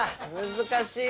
難しいな。